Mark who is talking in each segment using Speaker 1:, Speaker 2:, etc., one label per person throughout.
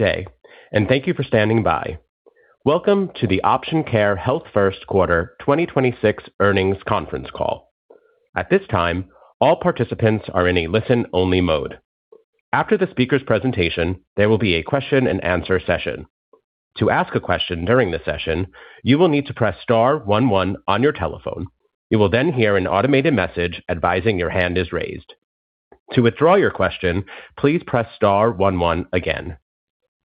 Speaker 1: Good day, and thank you for standing by. Welcome to the Option Care Health Q1 2026 earnings conference call. At this time, all participants are in a listen-only mode. After the speaker's presentation, there will be a question-and-answer session.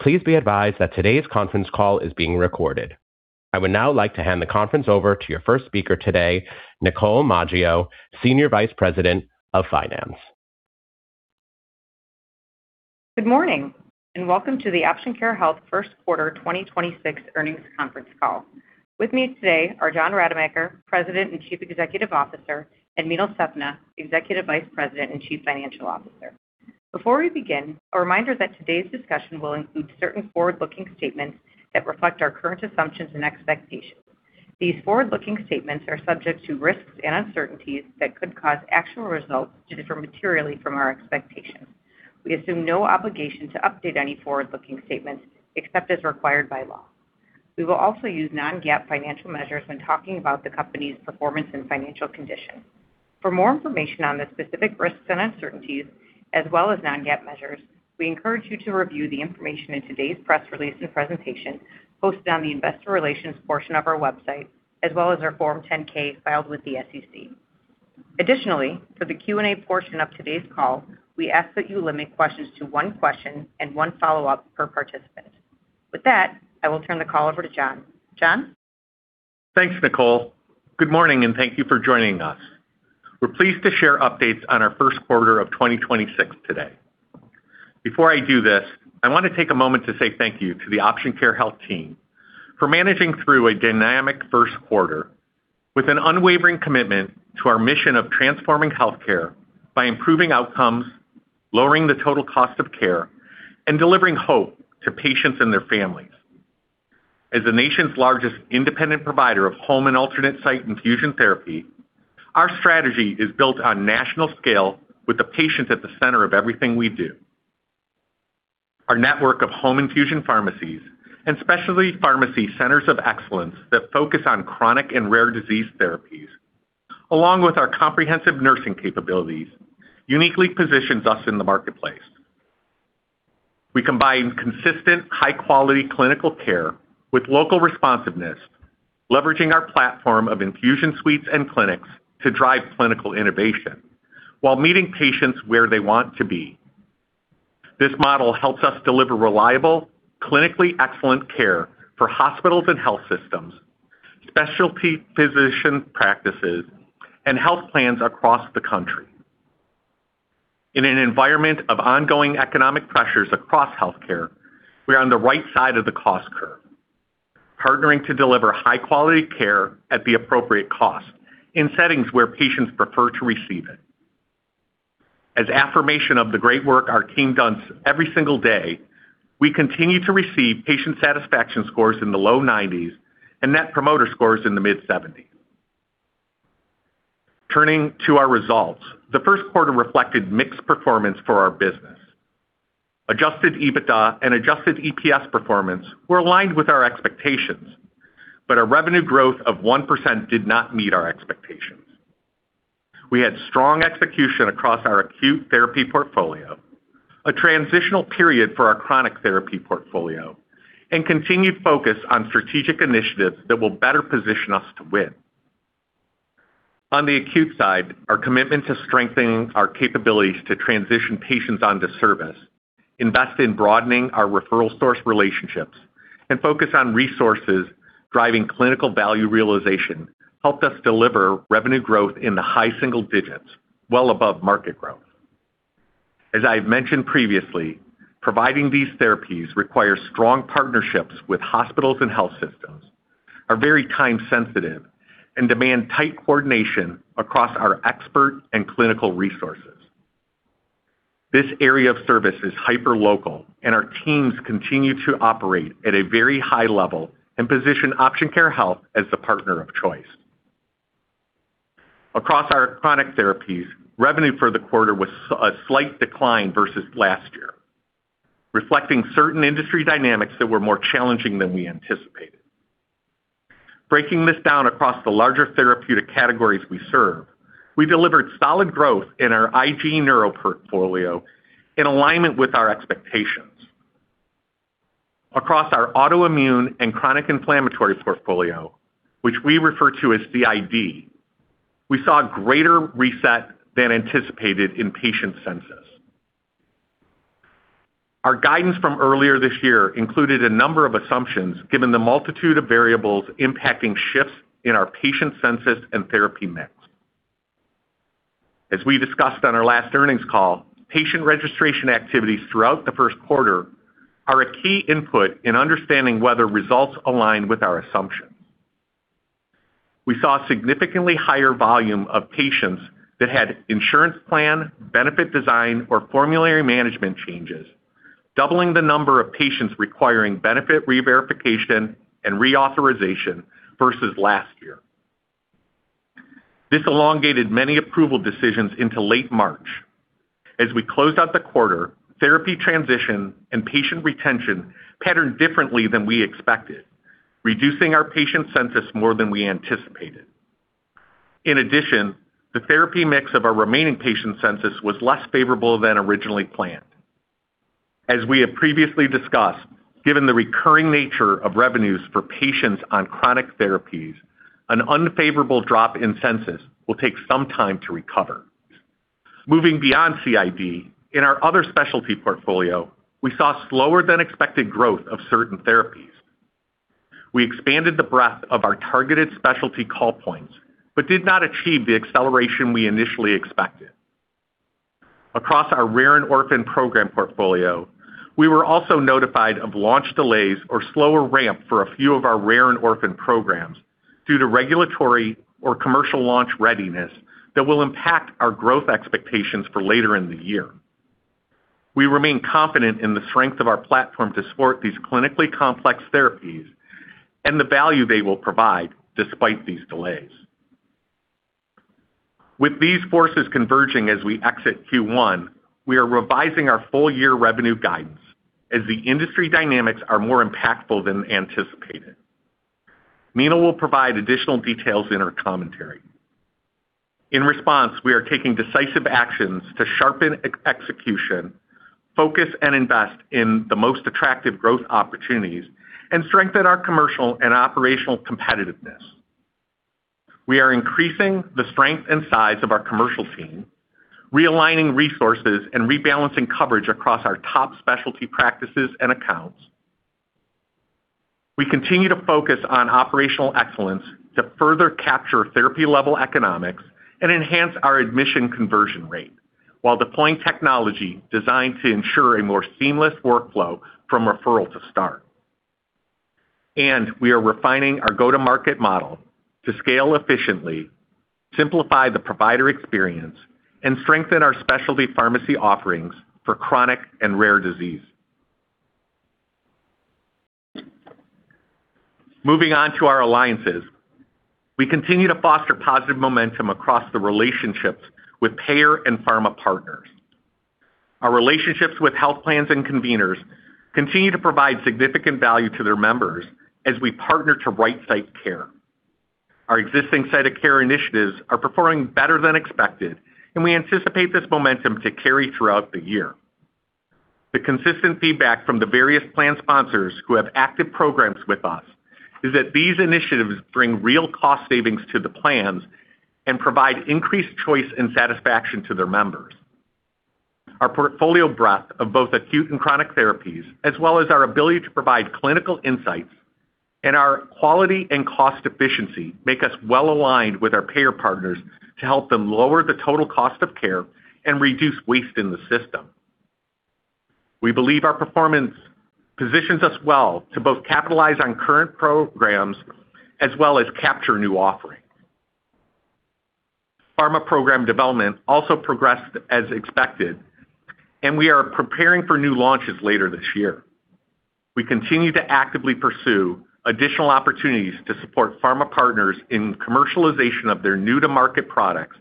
Speaker 1: Please be advised that today's conference call is being recorded. I would now like to hand the conference over to your first speaker today, Nicole Maggio, Senior Vice President of Finance.
Speaker 2: Good morning. Welcome to the Option Care Health Q1 2026 earnings conference call. With me today are John Rademacher, President and Chief Executive Officer, and Meenal Sethna, Executive Vice President and Chief Financial Officer. Before we begin, a reminder that today's discussion will include certain forward-looking statements that reflect our current assumptions and expectations. These forward-looking statements are subject to risks and uncertainties that could cause actual results to differ materially from our expectations. We assume no obligation to update any forward-looking statements except as required by law. We will also use non-GAAP financial measures when talking about the company's performance and financial condition. For more information on the specific risks and uncertainties, as well as non-GAAP measures, we encourage you to review the information in today's press release and presentation posted on the investor relations portion of our website, as well as our Form 10-K filed with the SEC. Additionally, for the Q&A portion of today's call, we ask that you limit questions to one question and one follow-up per participant. With that, I will turn the call over to John. John?
Speaker 3: Thanks, Nicole. Good morning, and thank you for joining us. We're pleased to share updates on our Q1 of 2026 today. Before I do this, I want to take a moment to say thank you to the Option Care Health team for managing through a dynamic Q1 with an unwavering commitment to our mission of transforming healthcare by improving outcomes, lowering the total cost of care, and delivering hope to patients and their families. As the nation's largest independent provider of home and alternate site infusion therapy, our strategy is built on national scale with the patient at the center of everything we do. Our network of home infusion pharmacies and specialty pharmacy centers of excellence that focus on chronic and rare disease therapies, along with our comprehensive nursing capabilities, uniquely positions us in the marketplace. We combine consistent high-quality clinical care with local responsiveness, leveraging our platform of infusion suites and clinics to drive clinical innovation while meeting patients where they want to be. This model helps us deliver reliable, clinically excellent care for hospitals and health systems, specialty physician practices, and health plans across the country. In an environment of ongoing economic pressures across healthcare, we are on the right side of the cost curve, partnering to deliver high-quality care at the appropriate cost in settings where patients prefer to receive it. As affirmation of the great work our team does every single day, we continue to receive patient satisfaction scores in the low 90s and Net Promoter Score in the mid-70s. Turning to our results, the Q1 reflected mixed performance for our business. Adjusted EBITDA and adjusted EPS performance were aligned with our expectations, but our revenue growth of 1% did not meet our expectations. We had strong execution across our acute therapy portfolio, a transitional period for our chronic therapy portfolio, and continued focus on strategic initiatives that will better position us to win. On the acute side, our commitment to strengthening our capabilities to transition patients onto service, invest in broadening our referral source relationships, and focus on resources driving clinical value realization helped us deliver revenue growth in the high single digits, well above market growth. As I have mentioned previously, providing these therapies requires strong partnerships with hospitals and health systems, are very time sensitive, and demand tight coordination across our expert and clinical resources. This area of service is hyperlocal, and our teams continue to operate at a very high level and position Option Care Health as the partner of choice. Across our chronic therapies, revenue for the quarter was a slight decline versus last year, reflecting certain industry dynamics that were more challenging than we anticipated. Breaking this down across the larger therapeutic categories we serve, we delivered solid growth in our IG Neuro portfolio in alignment with our expectations. Across our autoimmune and chronic inflammatory portfolio, which we refer to as CID, we saw greater reset than anticipated in patient census. Our guidance from earlier this year included a number of assumptions given the multitude of variables impacting shifts in our patient census and therapy mix. As we discussed on our last earnings call, patient registration activities throughout the Q1 are a key input in understanding whether results align with our assumptions. We saw significantly higher volume of patients that had insurance plan, benefit design, or formulary management changes, doubling the number of patients requiring benefit reverification and reauthorization versus last year. This elongated many approval decisions into late March. As we closed out the quarter, therapy transition and patient retention patterned differently than we expected, reducing our patient census more than we anticipated. In addition, the therapy mix of our remaining patient census was less favorable than originally planned. As we have previously discussed, given the recurring nature of revenues for patients on chronic therapies, an unfavorable drop in census will take some time to recover. Moving beyond CID, in our other specialty portfolio, we saw slower than expected growth of certain therapies. We expanded the breadth of our targeted specialty call points, but did not achieve the acceleration we initially expected. Across our rare and orphan program portfolio, we were also notified of launch delays or slower ramp for a few of our rare and orphan programs due to regulatory or commercial launch readiness that will impact our growth expectations for later in the year. We remain confident in the strength of our platform to support these clinically complex therapies and the value they will provide despite these delays. With these forces converging as we exit Q1, we are revising our full year revenue guidance as the industry dynamics are more impactful than anticipated. Meenal will provide additional details in her commentary. In response, we are taking decisive actions to sharpen execution, focus and invest in the most attractive growth opportunities, and strengthen our commercial and operational competitiveness. We are increasing the strength and size of our commercial team, realigning resources and rebalancing coverage across our top specialty practices and accounts. We continue to focus on operational excellence to further capture therapy-level economics and enhance our admission conversion rate, while deploying technology designed to ensure a more seamless workflow from referral to start. We are refining our go-to-market model to scale efficiently, simplify the provider experience, and strengthen our specialty pharmacy offerings for chronic and rare disease. Moving on to our alliances. We continue to foster positive momentum across the relationships with payer and pharma partners. Our relationships with health plans and conveners continue to provide significant value to their members as we partner to right-site care. Our existing site of care initiatives are performing better than expected, and we anticipate this momentum to carry throughout the year. The consistent feedback from the various plan sponsors who have active programs with us is that these initiatives bring real cost savings to the plans and provide increased choice and satisfaction to their members. Our portfolio breadth of both acute and chronic therapies, as well as our ability to provide clinical insights and our quality and cost efficiency, make us well-aligned with our payer partners to help them lower the total cost of care and reduce waste in the system. We believe our performance positions us well to both capitalize on current programs as well as capture new offerings. Pharma program development also progressed as expected, and we are preparing for new launches later this year. We continue to actively pursue additional opportunities to support pharma partners in commercialization of their new-to-market products,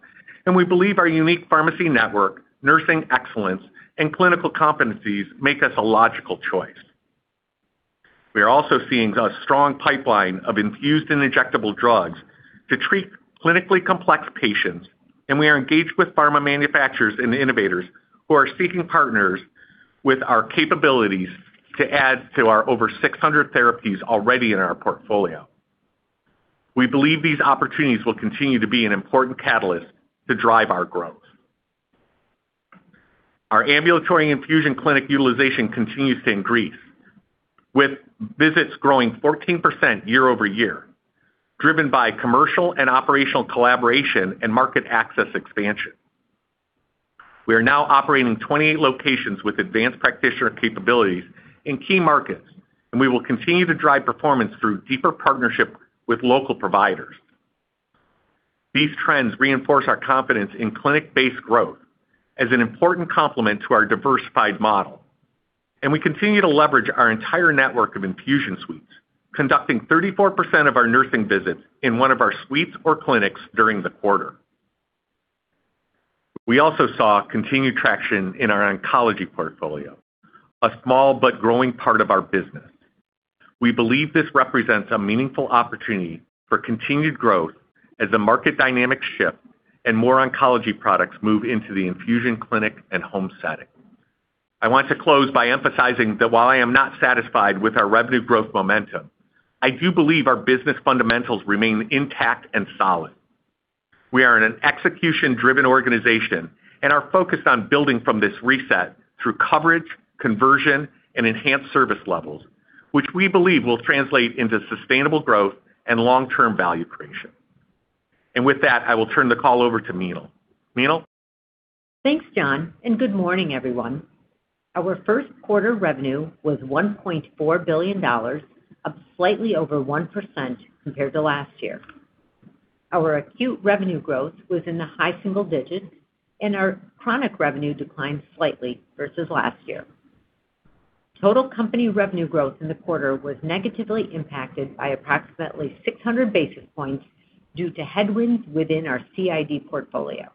Speaker 3: and we believe our unique pharmacy network, nursing excellence, and clinical competencies make us a logical choice. We are also seeing a strong pipeline of infused and injectable drugs to treat clinically complex patients, and we are engaged with pharma manufacturers and innovators who are seeking partners with our capabilities to add to our over 600 therapies already in our portfolio. We believe these opportunities will continue to be an important catalyst to drive our growth. Our ambulatory infusion clinic utilization continues to increase, with visits growing 14% year-over-year, driven by commercial and operational collaboration and market access expansion. We are now operating 28 locations with advanced practitioner capabilities in key markets, and we will continue to drive performance through deeper partnership with local providers. These trends reinforce our confidence in clinic-based growth as an important complement to our diversified model, and we continue to leverage our entire network of infusion suites, conducting 34% of our nursing visits in one of our suites or clinics during the quarter. We also saw continued traction in our oncology portfolio, a small but growing part of our business. We believe this represents a meaningful opportunity for continued growth as the market dynamics shift and more oncology products move into the infusion clinic and home setting. I want to close by emphasizing that while I am not satisfied with our revenue growth momentum, I do believe our business fundamentals remain intact and solid. We are in an execution-driven organization and are focused on building from this reset through coverage, conversion, and enhanced service levels, which we believe will translate into sustainable growth and long-term value creation. With that, I will turn the call over to Meenal. Meenal?
Speaker 4: Thanks, John. Good morning, everyone. Our Q1 revenue was $1.4 billion, up slightly over 1% compared to last year. Our acute revenue growth was in the high single digits and our chronic revenue declined slightly versus last year. Total company revenue growth in the quarter was negatively impacted by approximately 600 basis points due to headwinds within our CID portfolio.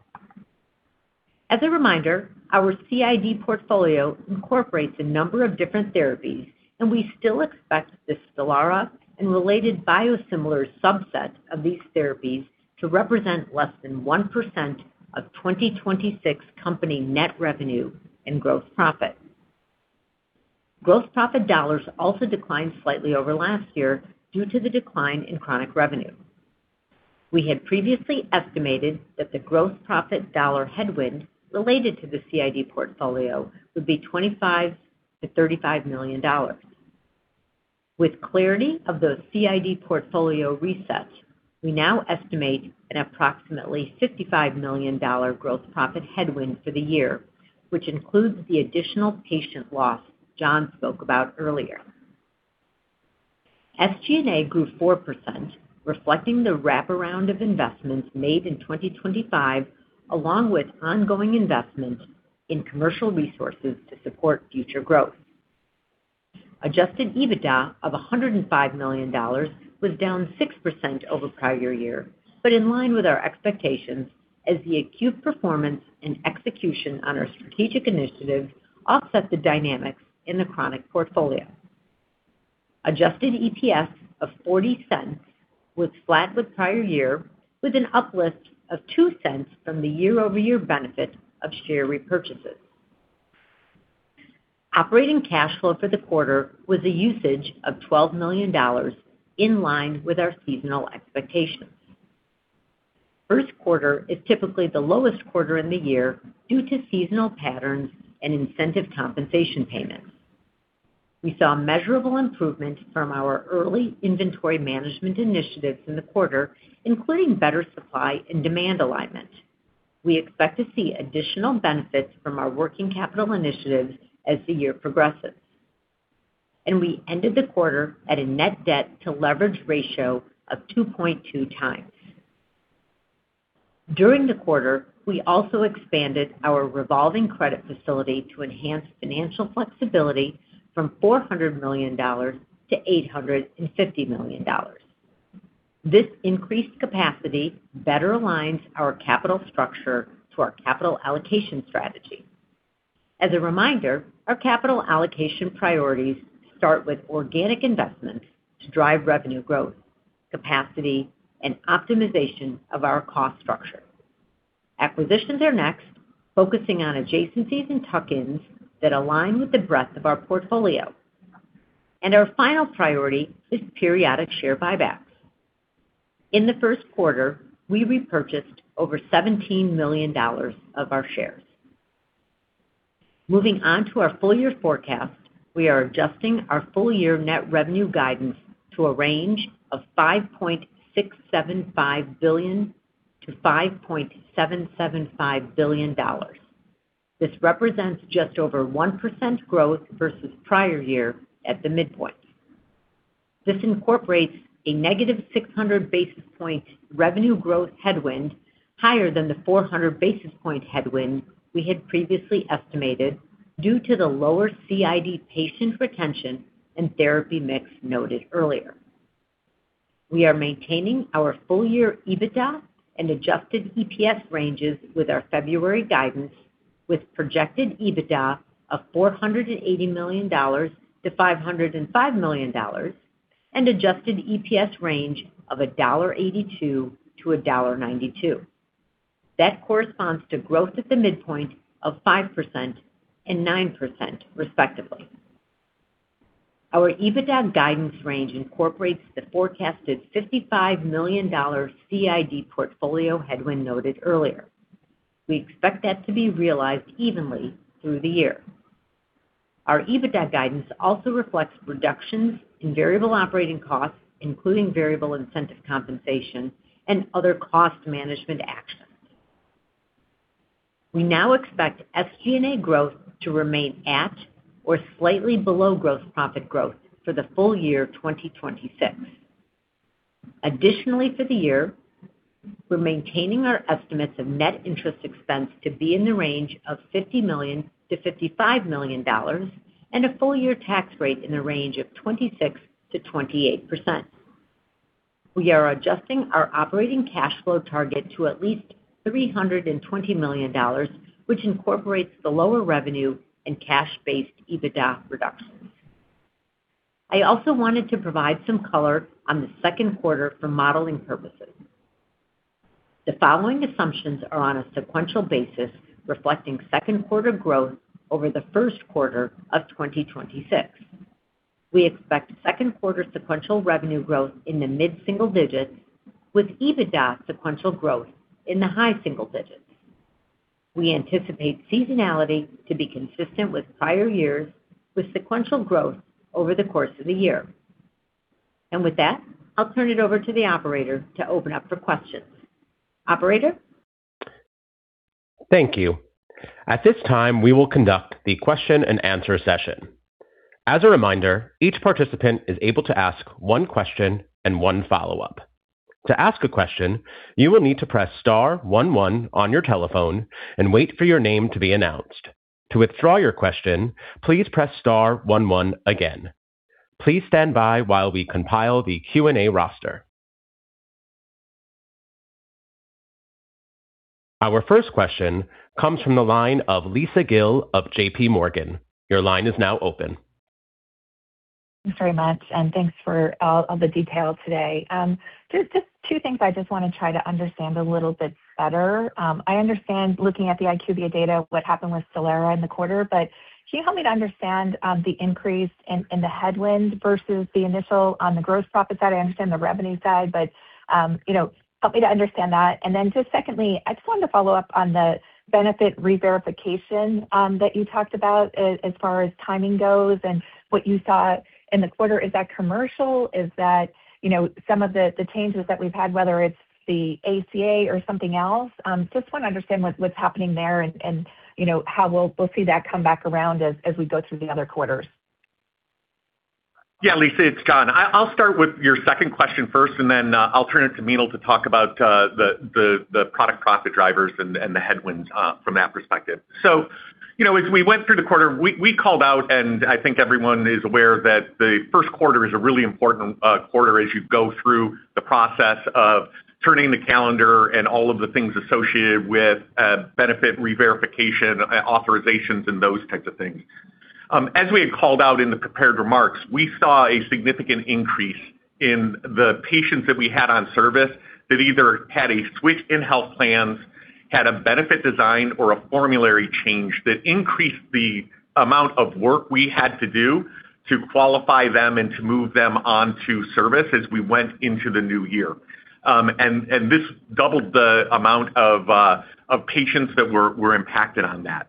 Speaker 4: As a reminder, our CID portfolio incorporates a number of different therapies, and we still expect the Stelara and related biosimilar subset of these therapies to represent less than 1% of 2026 company net revenue and gross profit. Gross profit dollars also declined slightly over last year due to the decline in chronic revenue. We had previously estimated that the gross profit dollar headwind related to the CID portfolio would be $25 million-$35 million. With clarity of the CID portfolio reset, we now estimate an approximately $55 million gross profit headwind for the year, which includes the additional patient loss John spoke about earlier. SG&A grew 4%, reflecting the wraparound of investments made in 2025 along with ongoing investment in commercial resources to support future growth. Adjusted EBITDA of $105 million was down 6% over prior year, but in line with our expectations as the acute performance and execution on our strategic initiatives offset the dynamics in the chronic portfolio. Adjusted EPS of $0.40 was flat with prior year, with an uplift of $0.02 from the year-over-year benefit of share repurchases. Operating cash flow for the quarter was a usage of $12 million, in line with our seasonal expectations. Q1 is typically the lowest quarter in the year due to seasonal patterns and incentive compensation payments. We saw measurable improvement from our early inventory management initiatives in the quarter, including better supply and demand alignment. We expect to see additional benefits from our working capital initiatives as the year progresses. We ended the quarter at a net debt to leverage ratio of 2.2x. During the quarter, we also expanded our revolving credit facility to enhance financial flexibility from $400 million-$850 million. This increased capacity better aligns our capital structure to our capital allocation strategy. As a reminder, our capital allocation priorities start with organic investment to drive revenue growth, capacity, and optimization of our cost structure. Acquisitions are next, focusing on adjacencies and tuck-ins that align with the breadth of our portfolio. Our final priority is periodic share buybacks. In the Q1, we repurchased over $17 million of our shares. Moving on to our full year forecast, we are adjusting our full year net revenue guidance to a range of $5.675 billion-$5.775 billion. This represents just over 1% growth versus prior year at the midpoint. This incorporates a negative 600 basis point revenue growth headwind higher than the 400 basis point headwind we had previously estimated due to the lower CID patient retention and therapy mix noted earlier. We are maintaining our full-year EBITDA and adjusted EPS ranges with our February guidance, with projected EBITDA of $480 million-$505 million and adjusted EPS range of $1.82-$1.92. That corresponds to growth at the midpoint of 5% and 9% respectively. Our EBITDA guidance range incorporates the forecasted $55 million CID portfolio headwind noted earlier. We expect that to be realized evenly through the year. Our EBITDA guidance also reflects reductions in variable operating costs, including variable incentive compensation and other cost management actions. We now expect SG&A growth to remain at or slightly below growth profit growth for the full year 2026. Additionally, for the year, we're maintaining our estimates of net interest expense to be in the range of $50 million-$55 million and a full year tax rate in the range of 26%-28%. We are adjusting our operating cash flow target to at least $320 million, which incorporates the lower revenue and cash-based EBITDA reductions. I also wanted to provide some color on the Q2 for modeling purposes. The following assumptions are on a sequential basis reflecting Q2 growth over the Q1 of 2026. We expect Q2 sequential revenue growth in the mid-single digits with EBITDA sequential growth in the high single digits. We anticipate seasonality to be consistent with prior years with sequential growth over the course of the year. With that, I'll turn it over to the operator to open up for questions. Operator?
Speaker 1: Thank you. Our first question comes from the line of Lisa Gill of JPMorgan. Your line is now open.
Speaker 5: Thanks very much, and thanks for all of the detail today. There's just two things I just wanna try to understand a little bit better. I understand looking at the IQVIA data, what happened with Stelara in the quarter. Can you help me to understand the increase in the headwind versus the initial on the gross profit side? I understand the revenue side, you know, help me to understand that. Just secondly, I just wanted to follow up on the benefit reverification that you talked about as far as timing goes and what you saw in the quarter. Is that commercial? Is that, you know, some of the changes that we've had, whether it's the ACA or something else? I just wanna understand what's happening there and, you know, how we'll see that come back around as we go through the other quarters.
Speaker 3: Lisa, it's John. I'll start with your second question first, and then I'll turn it to Meenal to talk about the product profit drivers and the headwinds from that perspective. You know, as we went through the quarter, we called out, and I think everyone is aware that the Q1 is a really important quarter as you go through the process of turning the calendar and all of the things associated with benefit reverification, authorizations, and those types of things. As we had called out in the prepared remarks, we saw a significant increase in the patients that we had on service that either had a switch in health plans, had a benefit design or a formulary change that increased the amount of work we had to do to qualify them and to move them onto service as we went into the new year. This doubled the amount of patients that were impacted on that.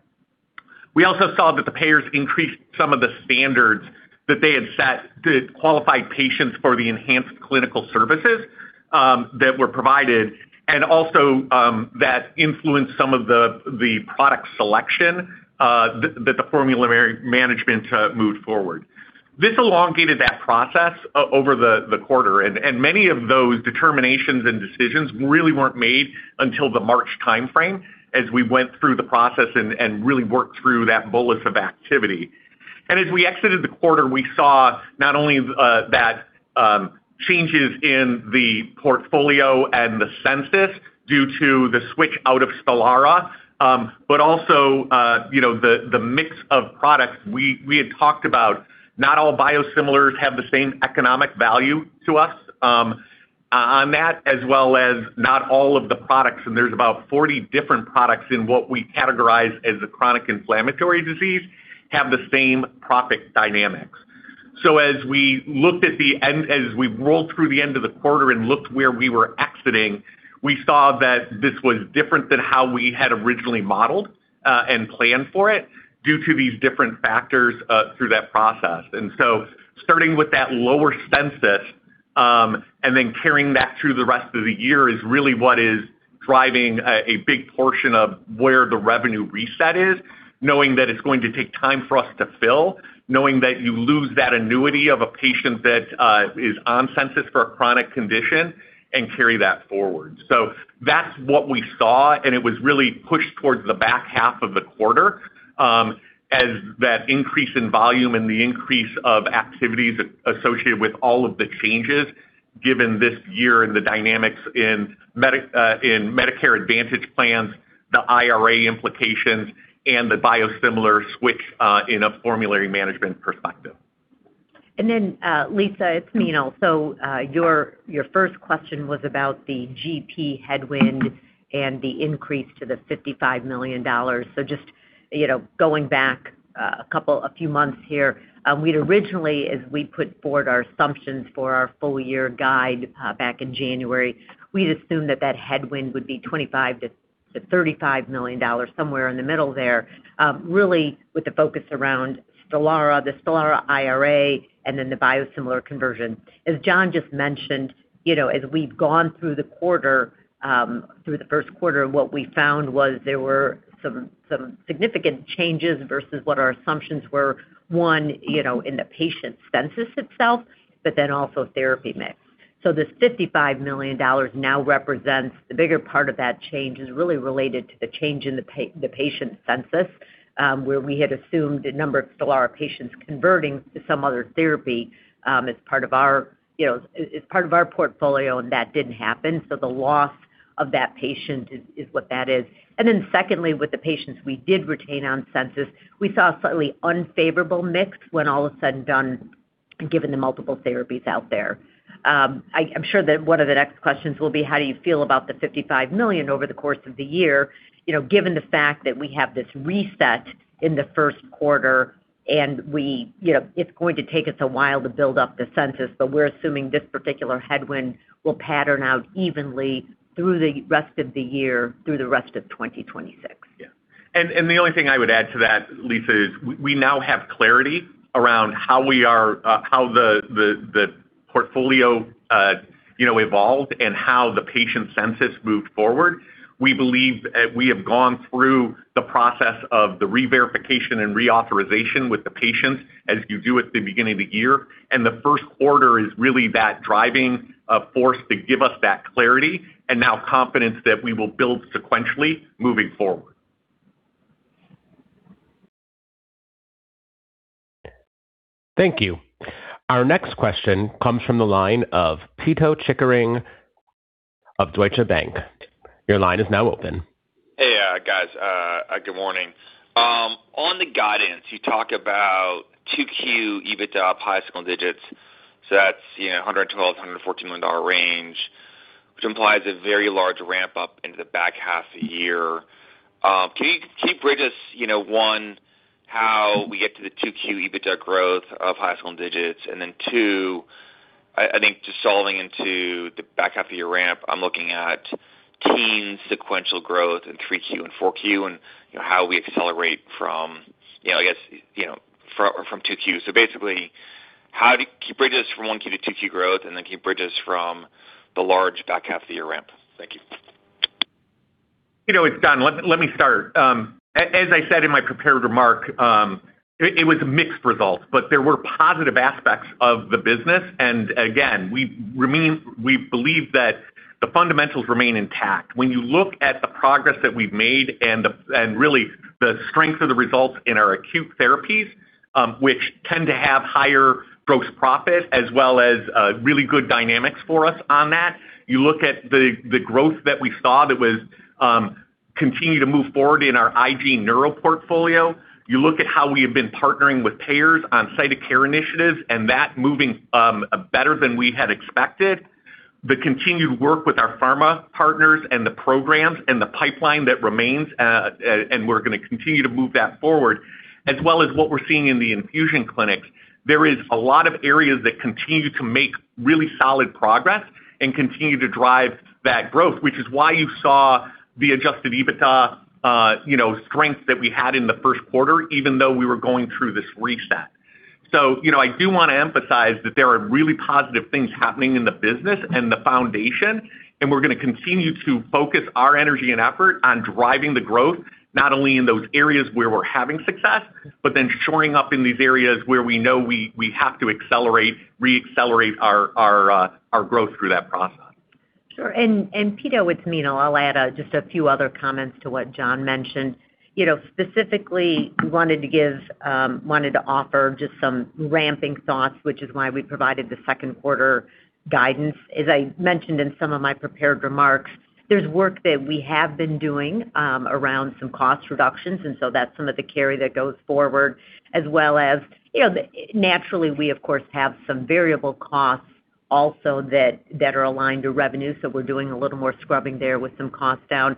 Speaker 3: We also saw that the payers increased some of the standards that they had set to qualify patients for the enhanced clinical services that were provided, also that influenced some of the product selection that the formulary management moved forward. This elongated that process over the quarter, and many of those determinations and decisions really weren't made until the March timeframe as we went through the process and really worked through that bulk of activity. As we exited the quarter, we saw not only that changes in the portfolio and the census due to the switch out of Stelara, but also, you know, the mix of products we had talked about. Not all biosimilars have the same economic value to us on that, as well as not all of the products, and there's about 40 different products in what we categorize as a chronic inflammatory disease, have the same profit dynamics. As we rolled through the end of the quarter and looked where we were exiting, we saw that this was different than how we had originally modeled and planned for it due to these different factors through that process. Starting with that lower census, and then carrying that through the rest of the year is really what is driving a big portion of where the revenue reset is, knowing that it's going to take time for us to fill, knowing that you lose that annuity of a patient that is on census for a chronic condition and carry that forward. That's what we saw, and it was really pushed towards the back half of the quarter, as that increase in volume and the increase of activities associated with all of the changes given this year and the dynamics in Medicare Advantage plans, the IRA implications, and the biosimilar switch in a formulary management perspective.
Speaker 4: Lisa, it's Meenal. Your first question was about the GP headwind and the increase to the $55 million. Just, you know, going back a few months here, we'd originally, as we put forward our assumptions for our full year guide, back in January, we'd assumed that that headwind would be $25 million-$35 million, somewhere in the middle there, really with the focus around Stelara, the Stelara IRA, and then the biosimilar conversion. As John just mentioned, you know, as we've gone through the quarter, through the Q1, what we found was there were some significant changes versus what our assumptions were, one, you know, in the patient census itself, but then also therapy mix. This $55 million now represents the bigger part of that change is really related to the change in the patient census, where we had assumed the number of Stelara patients converting to some other therapy, as part of our, you know, as part of our portfolio, and that didn't happen. The loss of that patient is what that is. Secondly, with the patients we did retain on census, we saw a slightly unfavorable mix when all of a sudden, given the multiple therapies out there. I'm sure that one of the next questions will be, how do you feel about the $55 million over the course of the year? You know, given the fact that we have this reset in the Q1 and you know, it's going to take us a while to build up the census, but we're assuming this particular headwind will pattern out evenly through the rest of the year, through the rest of 2026.
Speaker 3: Yeah. The only thing I would add to that, Lisa, is we now have clarity around how we are how the portfolio, you know, evolved and how the patient census moved forward. We believe we have gone through the process of the reverification and reauthorization with the patients as you do at the beginning of the year. The Q1 is really that driving force to give us that clarity and now confidence that we will build sequentially moving forward.
Speaker 1: Thank you. Our next question comes from the line of Pito Chickering of Deutsche Bank. Your line is now open.
Speaker 6: Hey, guys, good morning. On the guidance, you talk about Q2 EBITDA up high single digits. That's, you know, $112 million-$114 million range, which implies a very large ramp-up into the back half of the year. Can you bridge us, you know, one, how we get to the Q2 EBITDA growth of high single digits? Two, I think just solving into the back half of your ramp, I'm looking at teen sequential growth in 3Q and 4Q and, you know, how we accelerate from, you know, I guess, you know, from 2Q. Basically how do you can you bridge us from 1Q to 2Q growth, and then can you bridge us from the large back half of the year ramp? Thank you.
Speaker 3: You know, it's John. Let me start. As I said in my prepared remark, it was mixed results, but there were positive aspects of the business. Again, we believe that the fundamentals remain intact. When you look at the progress that we've made and really the strength of the results in our acute therapies, which tend to have higher gross profit as well as really good dynamics for us on that. You look at the growth that we saw that was continue to move forward in our IG Neuro portfolio. You look at how we have been partnering with payers on site of care initiatives and that moving better than we had expected. The continued work with our pharma partners and the programs and the pipeline that remains, we're going to continue to move that forward, as well as what we're seeing in the infusion clinics. There is a lot of areas that continue to make really solid progress and continue to drive that growth, which is why you saw the adjusted EBITDA, you know, strength that we had in the 1st quarter, even though we were going through this reset. You know, I do want to emphasize that there are really positive things happening in the business and the foundation, we're going to continue to focus our energy and effort on driving the growth, not only in those areas where we're having success, but then shoring up in these areas where we know we have to re-accelerate our growth through that process.
Speaker 4: Sure. Pito, it's Meenal. I'll add just a few other comments to what John mentioned. You know, specifically, we wanted to give, wanted to offer just some ramping thoughts, which is why we provided the Q2 guidance. As I mentioned in some of my prepared remarks, there's work that we have been doing around some cost reductions, and so that's some of the carry that goes forward. As well as, you know, naturally, we of course, have some variable costs also that are aligned to revenue, so we're doing a little more scrubbing there with some cost down.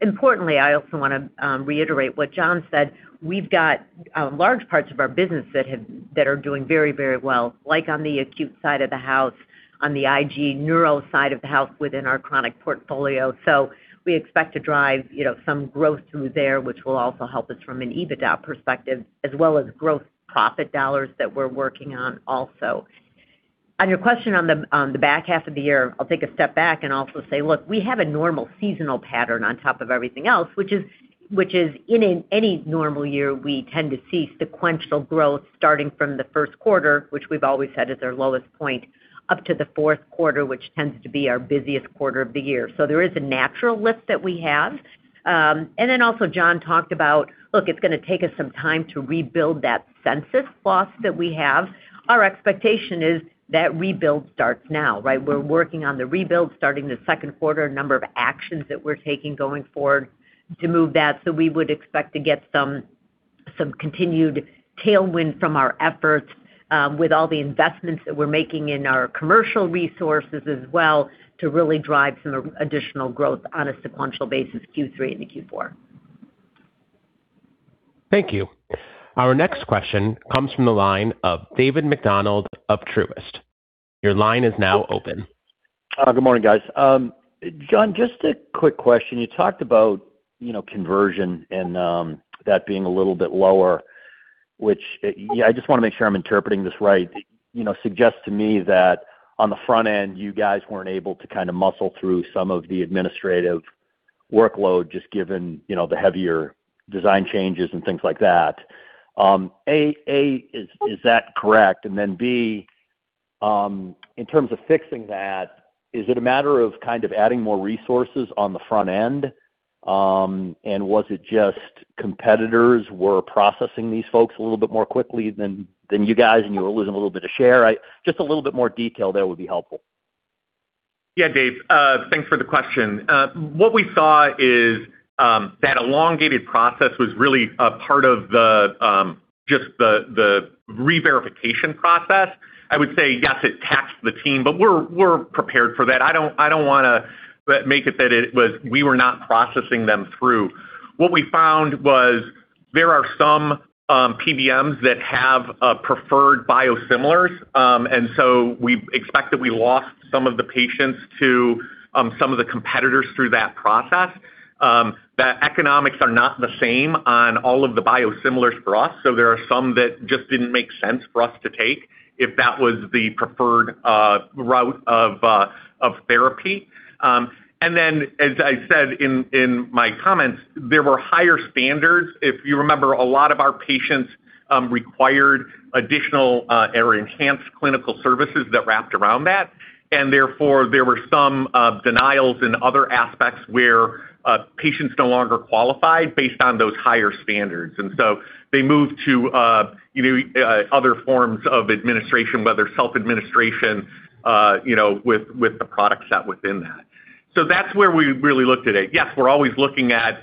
Speaker 4: Importantly, I also wanna reiterate what John said. We've got large parts of our business that are doing very, very well, like on the acute side of the house, on the IG Neuro side of the house within our chronic portfolio. We expect to drive, you know, some growth through there, which will also help us from an EBITDA perspective, as well as growth profit dollars that we're working on also. On your question on the, on the back half of the year, I'll take a step back and also say, look, we have a normal seasonal pattern on top of everything else, which is, which is in any normal year, we tend to see sequential growth starting from the Q1, which we've always said is our lowest point, up to the fourth quarter, which tends to be our busiest quarter of the year. There is a natural lift that we have. Then also John talked about, look, it's gonna take us some time to rebuild that census loss that we have. Our expectation is that rebuild starts now, right? We're working on the rebuild, starting the Q2, a number of actions that we're taking going forward to move that. We would expect to get some continued tailwind from our efforts, with all the investments that we're making in our commercial resources as well, to really drive some additional growth on a sequential basis, Q3 into Q4.
Speaker 1: Thank you. Our next question comes from the line of David MacDonald of Truist. Your line is now open.
Speaker 7: Good morning, guys. John, just a quick question. You talked about, you know, conversion and that being a little bit lower, which, I just wanna make sure I'm interpreting this right. You know, suggests to me that on the front end, you guys weren't able to kind of muscle through some of the administrative workload just given, you know, the heavier design changes and things like that. A, is that correct? B, in terms of fixing that, is it a matter of kind of adding more resources on the front end? Was it just competitors were processing these folks a little bit more quickly than you guys, and you were losing a little bit of share? Just a little bit more detail there would be helpful.
Speaker 3: Yeah, David MacDonald, thanks for the question. What we saw is that elongated process was really a part of the reverification process. I would say, yes, it taxed the team, but we're prepared for that. I don't want to make it that we were not processing them through. What we found was there are some PBMs that have preferred biosimilars. We expect that we lost some of the patients to some of the competitors through that process. The economics are not the same on all of the biosimilars for us, there are some that just didn't make sense for us to take if that was the preferred route of therapy. As I said in my comments, there were higher standards. If you remember, a lot of our patients required additional or enhanced clinical services that wrapped around that, and therefore, there were some denials in other aspects where patients no longer qualified based on those higher standards. They moved to, you know, other forms of administration, whether it's self-administration, you know, with the product set within that. That's where we really looked at it. Yes, we're always looking at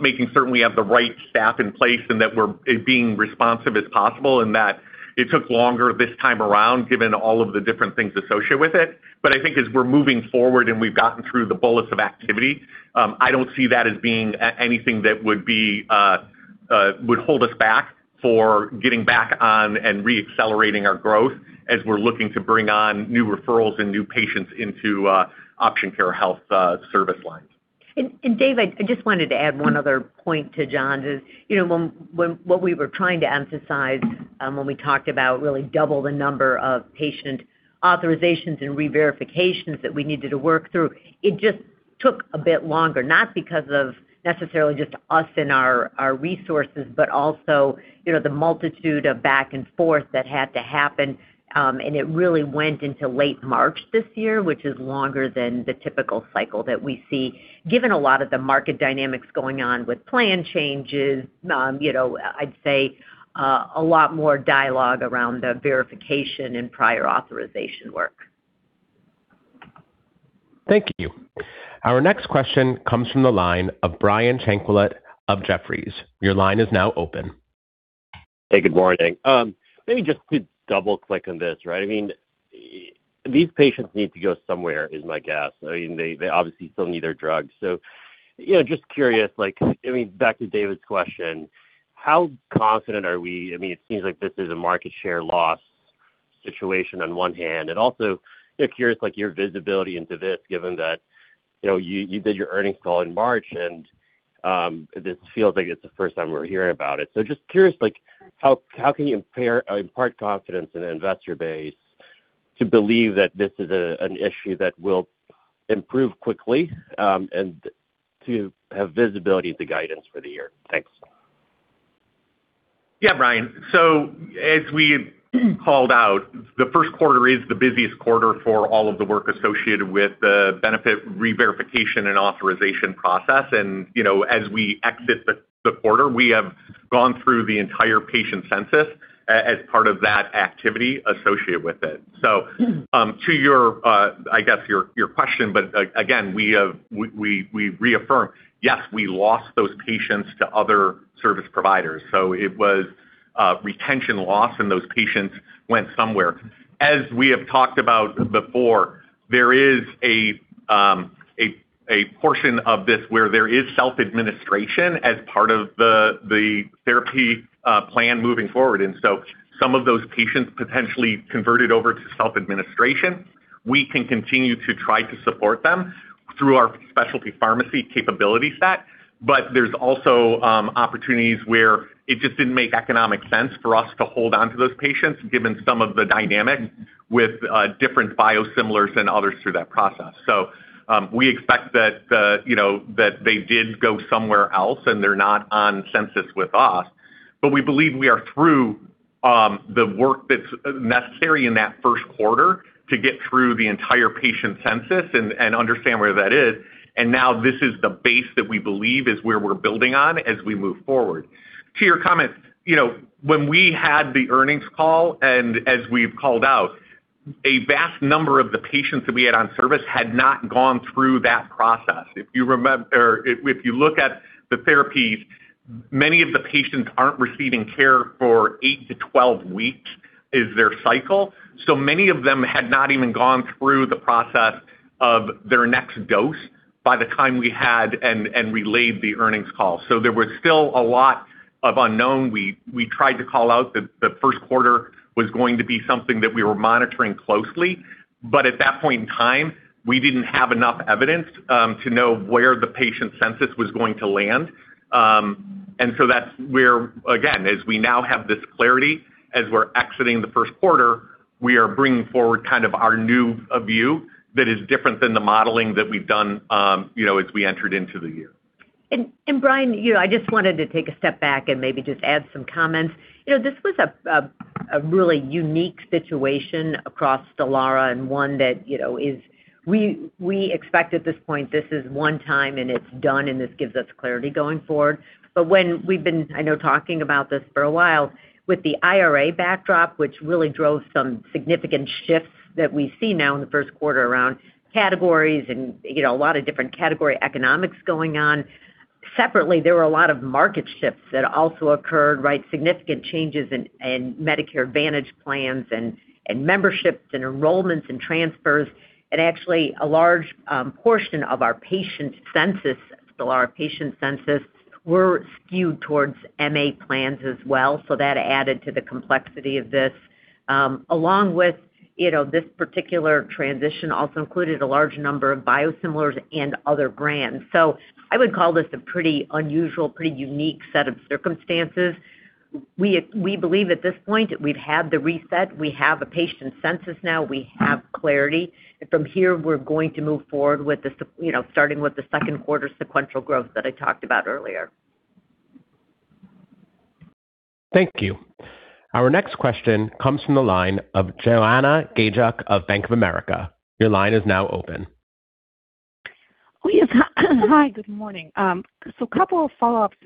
Speaker 3: making certain we have the right staff in place and that we're being responsive as possible, and that it took longer this time around, given all of the different things associated with it. I think as we're moving forward and we've gotten through the bullets of activity, I don't see that as being anything that would be, would hold us back for getting back on and re-accelerating our growth as we're looking to bring on new referrals and new patients into Option Care Health service lines.
Speaker 4: Dave, I just wanted to add one other point to John's. You know, what we were trying to emphasize, when we talked about really double the number of patient authorizations and reverifications that we needed to work through, it just took a bit longer. Not because of necessarily just us and our resources, but also, you know, the multitude of back and forth that had to happen. It really went into late March this year, which is longer than the typical cycle that we see given a lot of the market dynamics going on with plan changes, you know, I'd say, a lot more dialogue around the verification and prior authorization work.
Speaker 1: Thank you. Our next question comes from the line of Brian Tanquilut of Jefferies. Your line is now open.
Speaker 8: Hey, good morning. Maybe just to double-click on this, right? I mean, these patients need to go somewhere is my guess. I mean, they obviously still need their drugs. You know, just curious, like, I mean, back to David's question, how confident are we? I mean, it seems like this is a market share loss situation on one hand. Also, curious, like, your visibility into this, given that, you know, you did your earnings call in March and this feels like it's the first time we're hearing about it. Just curious, like, how can you impart confidence in an investor base to believe that this is an issue that will improve quickly and to have visibility into guidance for the year? Thanks.
Speaker 3: Yeah, Brian. As we called out, the Q1 is the busiest quarter for all of the work associated with the benefit reverification and authorization process. You know, as we exit the quarter, we have gone through the entire patient census as part of that activity associated with it. To your, I guess, your question, but again, we reaffirm, yes, we lost those patients to other service providers, so it was retention loss, and those patients went somewhere. As we have talked about before, there is a portion of this where there is self-administration as part of the therapy plan moving forward. Some of those patients potentially converted over to self-administration. We can continue to try to support them through our specialty pharmacy capability set. There's also opportunities where it just didn't make economic sense for us to hold onto those patients, given some of the dynamics with different biosimilars than others through that process. We expect that, you know, that they did go somewhere else and they're not on census with us. We believe we are through the work that's necessary in that Q1 to get through the entire patient census and understand where that is. Now this is the base that we believe is where we're building on as we move forward. To your comment, you know, when we had the earnings call and as we've called out, a vast number of the patients that we had on service had not gone through that process. If you look at the therapies, many of the patients aren't receiving care for 8-12 weeks is their cycle. Many of them had not even gone through the process of their next dose by the time we had and relayed the earnings call. There was still a lot of unknown. We tried to call out that the Q1 was going to be something that we were monitoring closely, but at that point in time, we didn't have enough evidence to know where the patient census was going to land. That's where again, as we now have this clarity, as we're exiting the Q1, we are bringing forward kind of our new view that is different than the modeling that we've done, you know, as we entered into the year.
Speaker 4: Brian, you know, I just wanted to take a step back and maybe just add some comments. You know, this was a really unique situation across Stelara and one that, you know, is we expect at this point, this is 1 time and it's done and this gives us clarity going forward. When we've been, I know, talking about this for a while with the IRA backdrop, which really drove some significant shifts that we see now in the 1st quarter around categories and, you know, a lot of different category economics going on. Separately, there were a lot of market shifts that also occurred, right? Significant changes in Medicare Advantage plans and memberships and enrollments and transfers. Actually, a large portion of our patient census, Stelara patient census were skewed towards MA plans as well. That added to the complexity of this, along with, you know, this particular transition also included a large number of biosimilars and other brands. I would call this a pretty unusual, pretty unique set of circumstances. We believe at this point that we've had the reset, we have a patient census now, we have clarity. From here we're going to move forward starting with the Q2 sequential growth that I talked about earlier.
Speaker 1: Thank you. Our next question comes from the line of Joanna Gajuk of Bank of America. Your line is now open.
Speaker 9: Yes. Hi, good morning. Couple of follow-ups.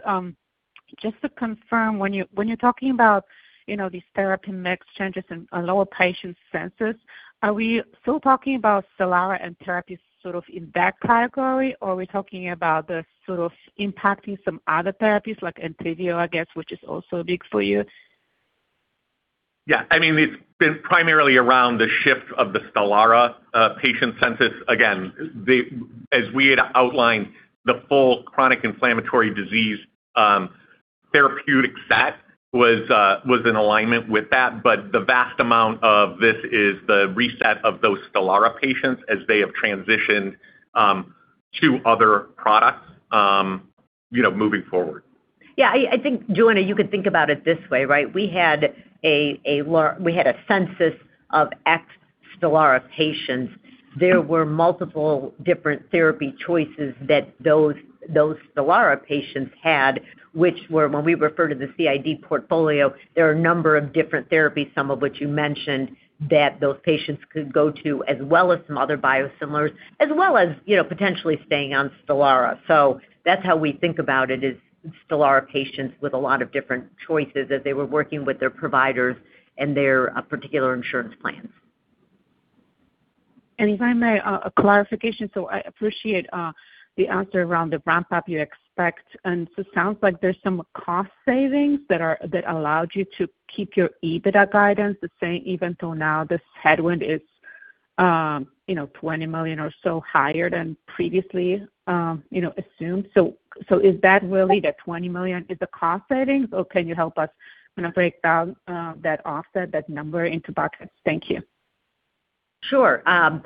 Speaker 9: Just to confirm, when you, when you're talking about, you know, these therapy mix changes and lower patient census, are we still talking about Stelara and therapies sort of in that category? Or are we talking about the sort of impacting some other therapies like Entyvio, I guess, which is also big for you?
Speaker 3: I mean, it's been primarily around the shift of the Stelara patient census. Again, as we had outlined, the full chronic inflammatory disease therapeutic set was in alignment with that. The vast amount of this is the reset of those Stelara patients as they have transitioned to other products, moving forward.
Speaker 4: I think, Joanna, you could think about it this way, right? We had a census of ex-Stelara patients. There were multiple different therapy choices that those Stelara patients had, which were when we refer to the CID portfolio, there are a number of different therapies, some of which you mentioned, that those patients could go to, as well as some other biosimilars, as well as, you know, potentially staying on Stelara. That's how we think about it is Stelara patients with a lot of different choices as they were working with their providers and their particular insurance plans.
Speaker 9: If I may, a clarification. I appreciate the answer around the ramp-up you expect. It sounds like there's some cost savings that allowed you to keep your EBITDA guidance the same, even though now this headwind is $20 million or so higher than previously assumed. Is that really the $20 million is a cost savings, or can you help us kinda break down that offset, that number into buckets? Thank you.
Speaker 4: Sure. I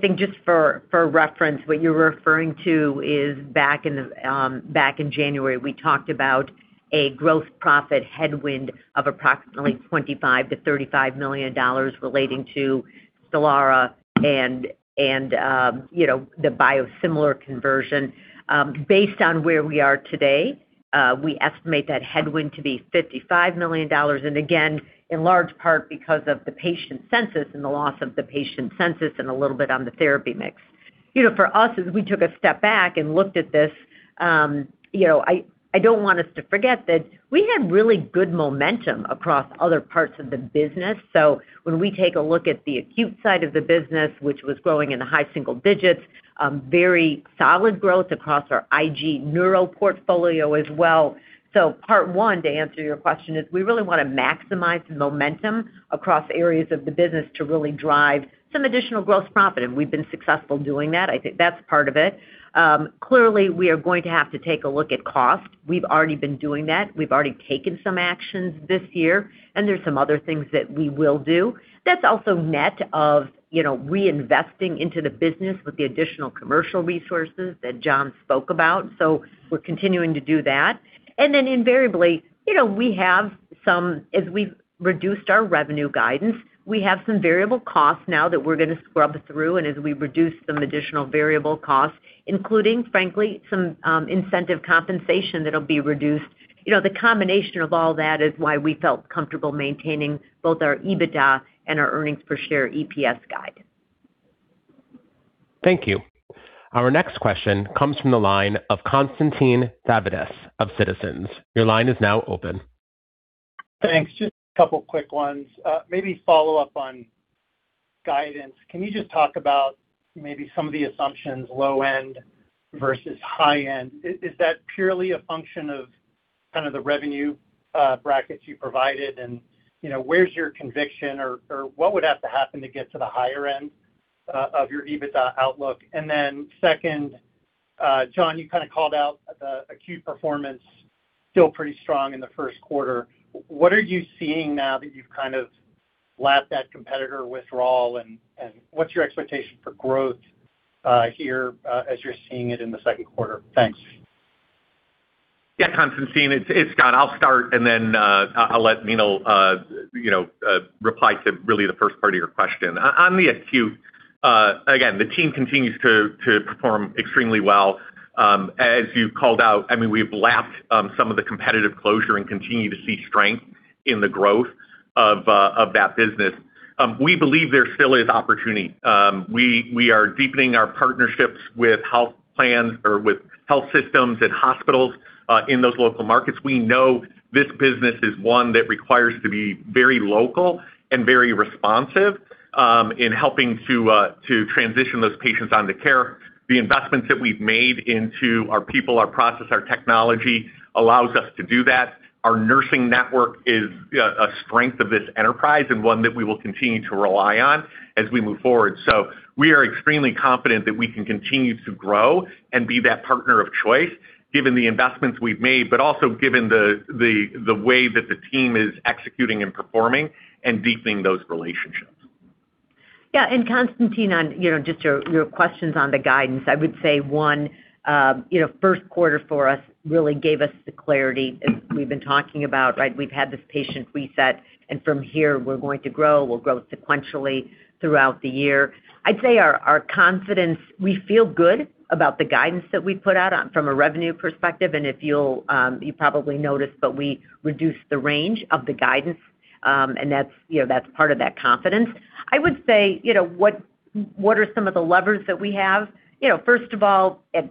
Speaker 4: think just for reference, what you're referring to is back in January, we talked about a gross profit headwind of approximately $25 million-$35 million relating to Stelara and, you know, the biosimilar conversion. Based on where we are today, we estimate that headwind to be $55 million, and again, in large part because of the patient census and the loss of the patient census and a little bit on the therapy mix. You know, for us, as we took a step back and looked at this, you know, I don't want us to forget that we had really good momentum across other parts of the business. When we take a look at the acute side of the business, which was growing in the high single digits, very solid growth across our IG Neuro portfolio as well. Part one, to answer your question, is we really wanna maximize the momentum across areas of the business to really drive some additional gross profit, and we've been successful doing that. I think that's part of it. Clearly, we are going to have to take a look at cost. We've already been doing that. We've already taken some actions this year, and there's some other things that we will do. That's also net of, you know, reinvesting into the business with the additional commercial resources that John spoke about. We're continuing to do that. Invariably, you know, we have some, as we've reduced our revenue guidance, we have some variable costs now that we're gonna scrub through, and as we reduce some additional variable costs, including, frankly, some incentive compensation that'll be reduced. You know, the combination of all that is why we felt comfortable maintaining both our EBITDA and our earnings per share EPS guide.
Speaker 1: Thank you. Our next question comes from the line of Constantine Stavridis of Citizens. Your line is now open.
Speaker 10: Thanks. Just a couple quick ones. Maybe follow up on guidance. Can you just talk about maybe some of the assumptions, low end versus high end? Is that purely a function of kind of the revenue brackets you provided and, you know, where's your conviction or what would have to happen to get to the higher end of your EBITDA outlook? Second, John, you kinda called out the acute performance still pretty strong in the Q1. What are you seeing now that you've kind of lapped that competitor withdrawal and what's your expectation for growth here as you're seeing it in the Q2? Thanks.
Speaker 3: Yeah, Constantine, it's [Scott]. I'll start and then, I'll let Meenal, you know, reply to really the first part of your question. On the acute, again, the team continues to perform extremely well. As you called out, I mean, we've lapped some of the competitive closure and continue to see strength in the growth of that business. We believe there still is opportunity. We are deepening our partnerships with health plans or with health systems and hospitals in those local markets. We know this business is one that requires to be very local and very responsive, in helping to transition those patients onto care. The investments that we've made into our people, our process, our technology allows us to do that. Our nursing network is a strength of this enterprise and one that we will continue to rely on as we move forward. We are extremely confident that we can continue to grow and be that partner of choice given the investments we've made, but also given the way that the team is executing and performing and deepening those relationships.
Speaker 4: Yeah, Constantine, you know, just your questions on the guidance. I would say one, you know, Q1 for us really gave us the clarity as we've been talking about, right? We've had this patient reset, from here we're going to grow, we'll grow sequentially throughout the year. I'd say our confidence, we feel good about the guidance that we put out from a revenue perspective. If you'll, you probably noticed, we reduced the range of the guidance, that's, you know, part of that confidence. I would say, you know, what are some of the levers that we have? You know, first of all, at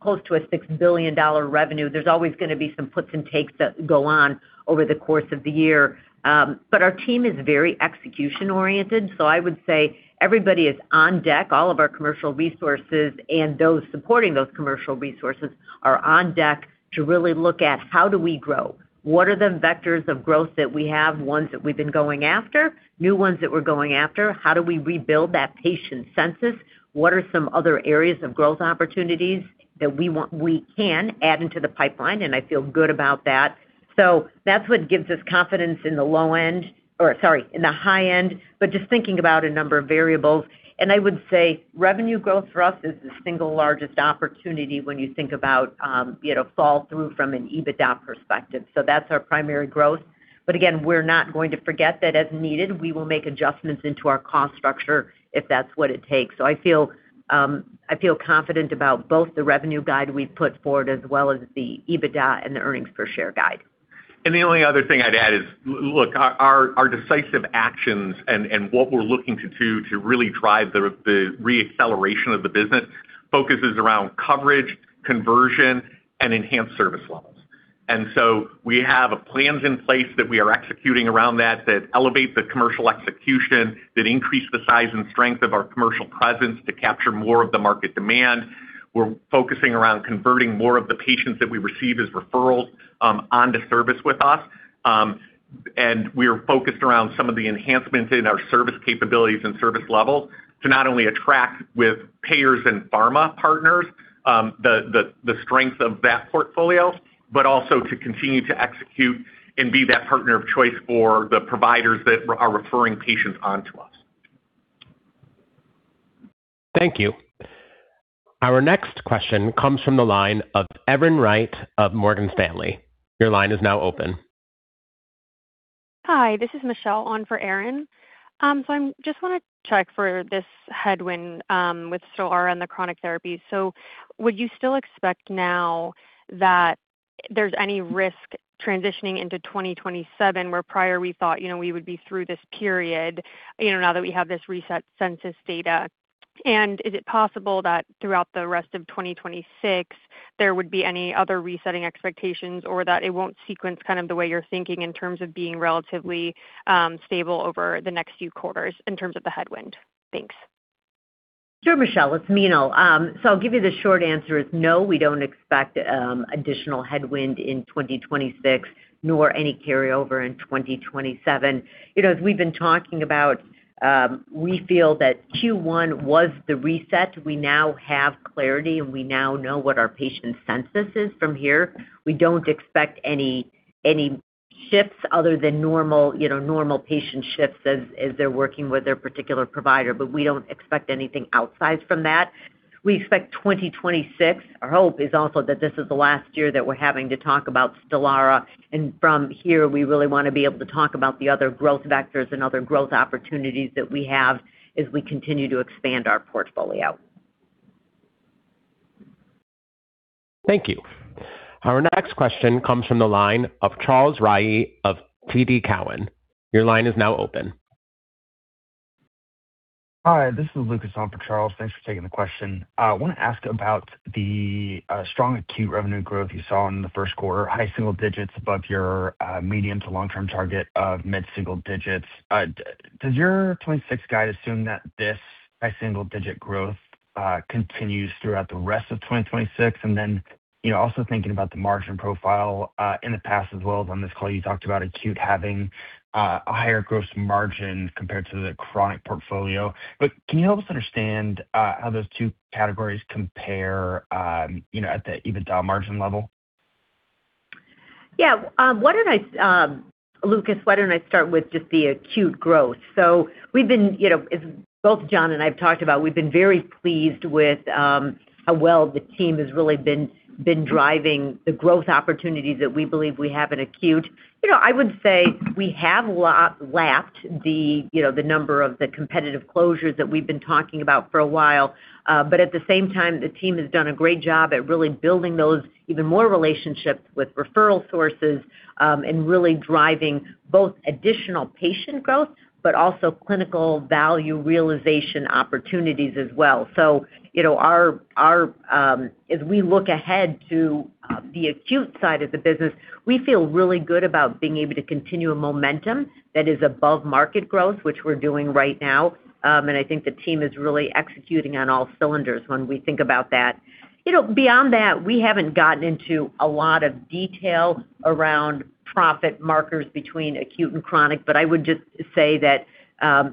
Speaker 4: close to a $6 billion revenue, there's always going to be some puts and takes that go on over the course of the year. Our team is very execution-oriented. I would say everybody is on deck. All of our commercial resources and those supporting those commercial resources are on deck to really look at how do we grow? What are the vectors of growth that we have, ones that we've been going after, new ones that we're going after? How do we rebuild that patient census? What are some other areas of growth opportunities that we can add into the pipeline? I feel good about that. That's what gives us confidence in the low end or sorry, in the high end, but just thinking about a number of variables. I would say revenue growth for us is the 1 largest opportunity when you think about, you know, fall through from an EBITDA perspective. That's our primary growth. Again, we're not going to forget that as needed, we will make adjustments into our cost structure if that's what it takes. I feel confident about both the revenue guide we've put forward as well as the EBITDA and the earnings per share guide.
Speaker 3: The only other thing I'd add is, look, our decisive actions and what we're looking to do to really drive the re-acceleration of the business focuses around coverage, conversion, and enhanced service levels. We have plans in place that we are executing around that elevate the commercial execution, that increase the size and strength of our commercial presence to capture more of the market demand. We're focusing around converting more of the patients that we receive as referrals onto service with us. We are focused around some of the enhancements in our service capabilities and service levels to not only attract with payers and pharma partners the strength of that portfolio, but also to continue to execute and be that partner of choice for the providers that are referring patients on to us.
Speaker 1: Thank you. Our next question comes from the line of Erin Wright of Morgan Stanley. Your line is now open.
Speaker 11: Hi, this is Michelle on for Erin. just wanna check for this headwind with Stelara and the chronic therapy. Would you still expect now that there's any risk transitioning into 2027, where prior we thought, you know, we would be through this period, you know, now that we have this reset census data? Is it possible that throughout the rest of 2026, there would be any other resetting expectations or that it won't sequence kind of the way you're thinking in terms of being relatively stable over the next few quarters in terms of the headwind? Thanks.
Speaker 4: Sure, Michelle, it's Meenal. I'll give you the short answer is no, we don't expect additional headwind in 2026, nor any carryover in 2027. You know, as we've been talking about, we feel that Q1 was the reset. We now have clarity, and we now know what our patient census is from here. We don't expect any shifts other than normal, you know, normal patient shifts as they're working with their particular provider. We don't expect anything outside from that. We expect 2026. Our hope is also that this is the last year that we're having to talk about Stelara, and from here, we really wanna be able to talk about the other growth vectors and other growth opportunities that we have as we continue to expand our portfolio.
Speaker 1: Thank you. Our next question comes from the line of Charles Rhyee of TD Cowen. Your line is now open.
Speaker 12: Hi, this is Lucas on for Charles. Thanks for taking the question. I wanna ask about the strong acute revenue growth you saw in the Q1, high single digits above your medium to long-term target of mid-single digits. Does your 2026 guide assume that this high single-digit growth continues throughout the rest of 2026? you know, also thinking about the margin profile, in the past as well as on this call, you talked about acute having a higher gross margin compared to the chronic portfolio. Can you help us understand how those two categories compare, you know, at the EBITDA margin level?
Speaker 4: Yeah. Why don't I, Lucas, why don't I start with just the acute growth? We've been, you know, as both John and I have talked about, we've been very pleased with how well the team has really been driving the growth opportunities that we believe we have in acute. You know, I would say we have lap-lapped the, you know, the number of the competitive closures that we've been talking about for a while. At the same time, the team has done a great job at really building those even more relationships with referral sources and really driving both additional patient growth, but also clinical value realization opportunities as well. You know, our, as we look ahead to the acute side of the business, we feel really good about being able to continue a momentum that is above market growth, which we're doing right now. I think the team is really executing on all cylinders when we think about that. You know, beyond that, we haven't gotten into a lot of detail around profit markers between acute and chronic, but I would just say that,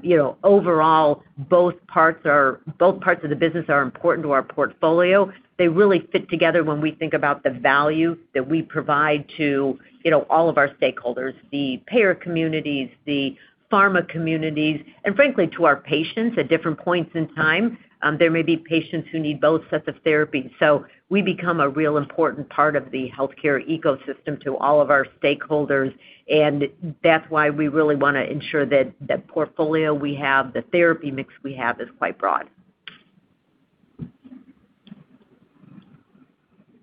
Speaker 4: you know, overall both parts of the business are important to our portfolio. They really fit together when we think about the value that we provide to, you know, all of our stakeholders, the payer communities, the pharma communities, and frankly, to our patients at different points in time. There may be patients who need both sets of therapy. We become a real important part of the healthcare ecosystem to all of our stakeholders, and that's why we really wanna ensure that the portfolio we have, the therapy mix we have is quite broad.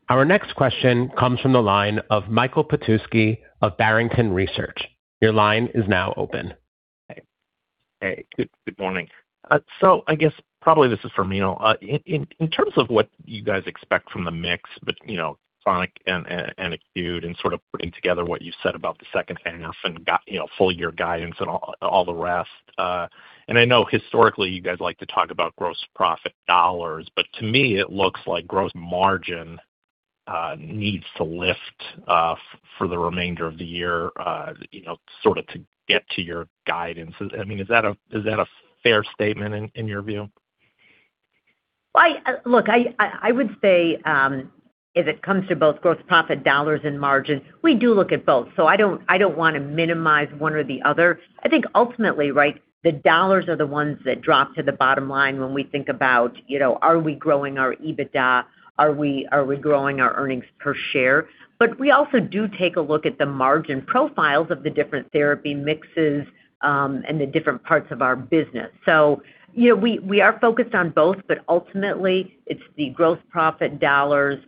Speaker 1: Our next question comes from the line of Michael Petusky of Barrington Research. Your line is now open.
Speaker 13: Hey. Good morning. I guess probably this is for me. In terms of what you guys expect from the mix, but, you know, chronic and acute and sort of putting together what you said about the second half and, you know, full year guidance and all the rest. I know historically you guys like to talk about gross profit dollars, but to me it looks like gross margin needs to lift for the remainder of the year, you know, sort of to get to your guidance. I mean, is that a fair statement in your view?
Speaker 4: Well, look, I would say, if it comes to both gross profit dollars and margin, we do look at both. I don't want to minimize one or the other. I think ultimately, right, the dollars are the ones that drop to the bottom line when we think about, you know, are we growing our EBITDA? Are we growing our earnings per share? We also do take a look at the margin profiles of the different therapy mixes and the different parts of our business. You know, we are focused on both, but ultimately it's the gross profit dollars.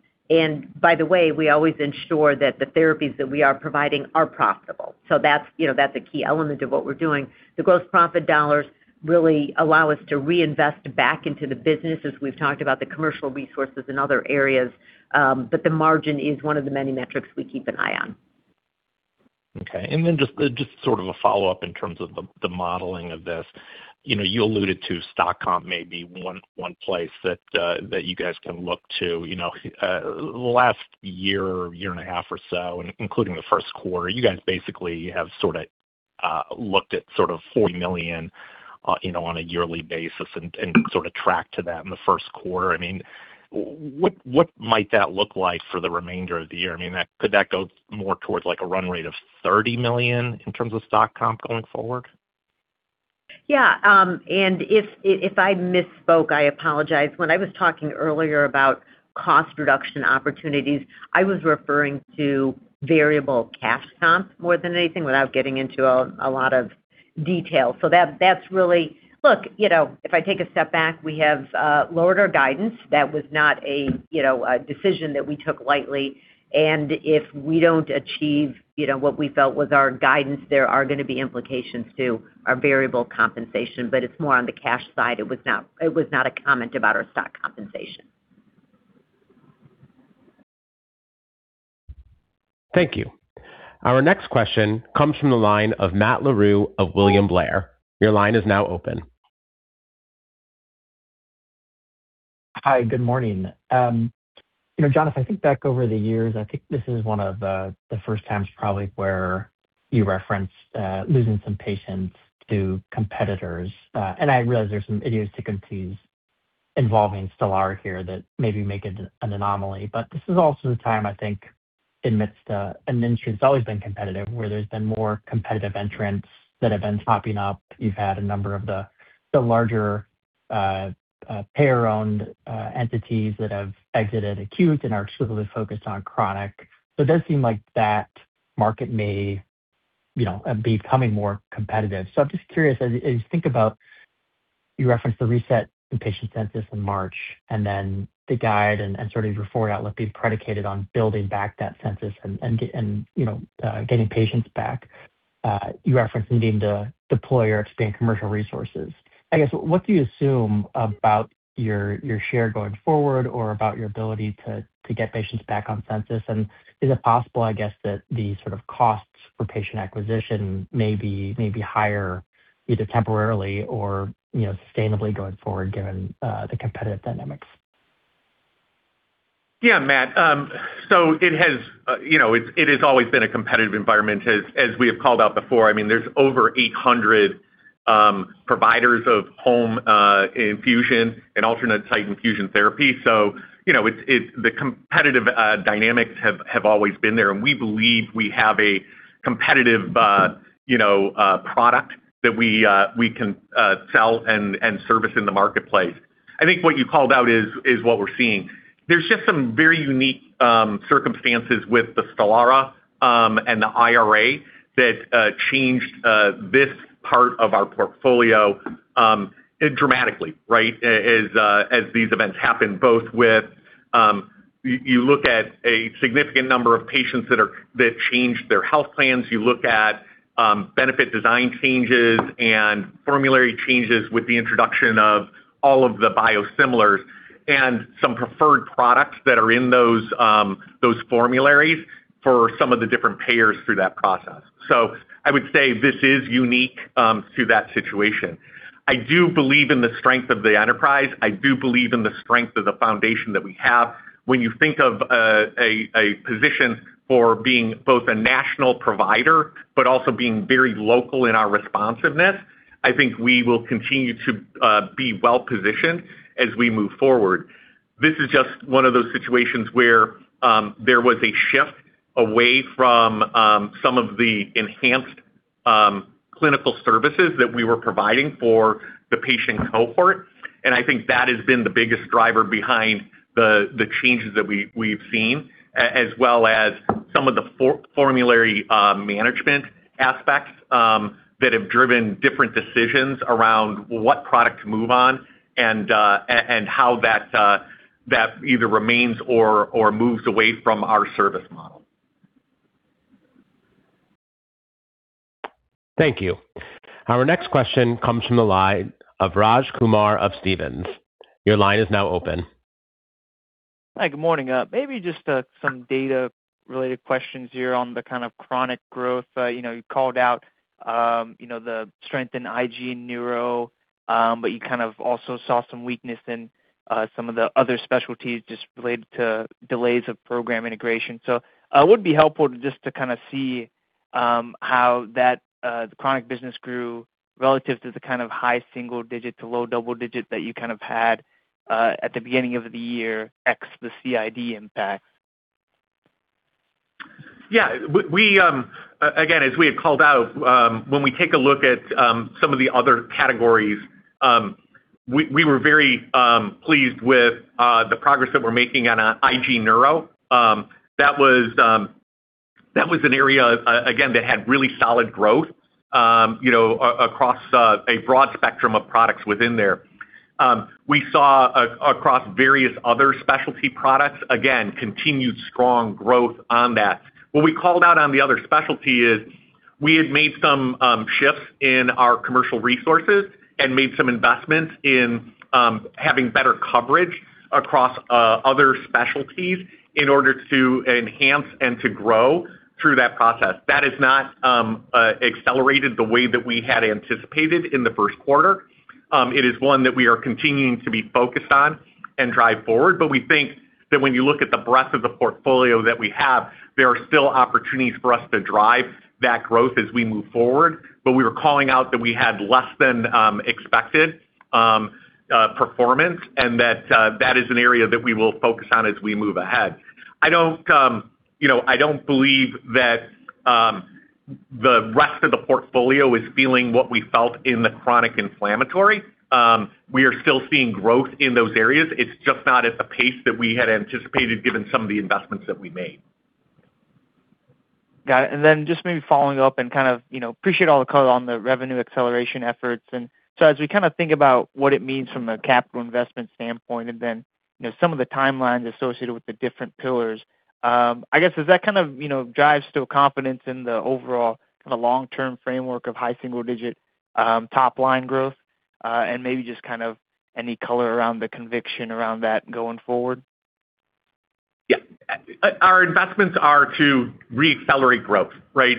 Speaker 4: By the way, we always ensure that the therapies that we are providing are profitable. That's, you know, that's a key element of what we're doing. The gross profit dollars really allow us to reinvest back into the business, as we've talked about the commercial resources in other areas. The margin is one of the many metrics we keep an eye on.
Speaker 13: Okay. Just sort of a follow-up in terms of the modeling of this. You know, you alluded to stock comp may be one place that you guys can look to, you know. Last year or year and a half or so, including the Q1, you guys basically have sort of looked at sort of $40 million, you know, on a yearly basis and sort of tracked to that in the Q1. What, what might that look like for the remainder of the year? Could that go more towards like a run rate of $30 million in terms of stock comp going forward?
Speaker 4: Yeah. If I misspoke, I apologize. When I was talking earlier about cost reduction opportunities, I was referring to variable cash comp more than anything without getting into a lot of detail. Look, you know, if I take a step back, we have lowered our guidance. That was not a, you know, decision that we took lightly. If we don't achieve, you know, what we felt was our guidance, there are going to be implications to our variable compensation. It's more on the cash side. It was not a comment about our stock compensation.
Speaker 1: Thank you. Our next question comes from the line of Matt LaRue of William Blair. Your line is now open.
Speaker 14: Hi. Good morning. You know, John, I think back over the years, I think this is one of the first times probably where you referenced losing some patients to competitors. I realize there's some idiosyncrasies involving Stelara here that maybe make it an anomaly. This is also the time, I think, amidst an industry that's always been competitive, where there's been more competitive entrants that have been popping up. You've had a number of the larger payer-owned entities that have exited acute and are exclusively focused on chronic. It does seem like that market may, you know, be becoming more competitive. I'm just curious, as you think about you referenced the reset in patient census in March and then the guide and sort of your forward outlook being predicated on building back that census and, you know, getting patients back. You referenced needing to deploy or expand commercial resources. I guess what do you assume about your share going forward or about your ability to get patients back on census? Is it possible, I guess, that the sort of costs for patient acquisition may be higher either temporarily or, you know, sustainably going forward given the competitive dynamics?
Speaker 3: Yeah, Matt. It has, you know, it has always been a competitive environment. As we have called out before, I mean, there's over 800 providers of home infusion and alternate site infusion therapy. You know, the competitive dynamics have always been there, and we believe we have a competitive, you know, product that we can sell and service in the marketplace. What you called out is what we're seeing. There's just some very unique circumstances with the Stelara and the IRA that changed this part of our portfolio dramatically, right? As these events happen both with, you look at a significant number of patients that change their health plans. You look at benefit design changes and formulary changes with the introduction of all of the biosimilars and some preferred products that are in those formularies for some of the different payers through that process. I would say this is unique to that situation. I do believe in the strength of the enterprise. I do believe in the strength of the foundation that we have. When you think of a position for being both a national provider but also being very local in our responsiveness, I think we will continue to be well-positioned as we move forward. This is just one of those situations where there was a shift away from some of the enhanced clinical services that we were providing for the patient cohort. I think that has been the biggest driver behind the changes that we've seen, as well as some of the formulary management aspects that have driven different decisions around what product to move on and how that either remains or moves away from our service model.
Speaker 1: Thank you. Our next question comes from the line of Raj Kumar of Stephens. Your line is now open.
Speaker 15: Hi, good morning. Maybe just some data-related questions here on the kind of chronic growth. You know, you called out, you know, the strength in IG and Neuro, you kind of also saw some weakness in some of the other specialties just related to delays of program integration. Would be helpful just to kind of see how that the chronic business grew relative to the kind of high single-digit to low double-digit that you kind of had at the beginning of the year, ex the CID impact.
Speaker 3: Yeah. We again, as we had called out, when we take a look at some of the other categories, we were very pleased with the progress that we're making on IG Neuro. That was that was an area again that had really solid growth, you know, across a broad spectrum of products within there. We saw across various other specialty products, again, continued strong growth on that. We called out on the other specialty is we had made some shifts in our commercial resources and made some investments in having better coverage across other specialties in order to enhance and to grow through that process. That has not accelerated the way that we had anticipated in the Q1. It is one that we are continuing to be focused on and drive forward, we think that when you look at the breadth of the portfolio that we have, there are still opportunities for us to drive that growth as we move forward. We were calling out that we had less than expected performance and that is an area that we will focus on as we move ahead. I don't, you know, I don't believe that the rest of the portfolio is feeling what we felt in the chronic inflammatory. We are still seeing growth in those areas. It's just not at the pace that we had anticipated given some of the investments that we made.
Speaker 15: Got it. Just maybe following up and kind of, you know, appreciate all the color on the revenue acceleration efforts. As we kind of think about what it means from a capital investment standpoint, and then, you know, some of the timelines associated with the different pillars, I guess, does that kind of, you know, drive still confidence in the overall kind of long-term framework of high single-digit top line growth? Maybe just kind of any color around the conviction around that going forward.
Speaker 3: Yeah. Our investments are to reaccelerate growth, right?